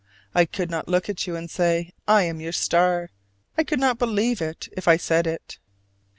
I could not look at you and say "I am your Star": I could not believe it if I said it.